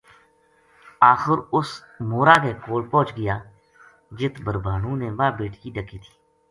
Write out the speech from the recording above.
آخر اُس مورا کے کول پوہچ گیا جِت بھربھانو نے واہ بیٹکی ڈَکی تھی